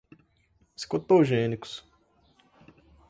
psicotogênicos